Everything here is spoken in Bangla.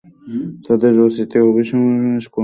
তাদের রচিত অভিসন্দর্ভসমূহের কোনো কোনোটি আরবিতে লিখিত।